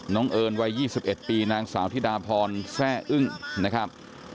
น้องเอิญวัยยี่สิบเอ็ดปีนางสาวถิดาพรแทร่อึ้งนะครับ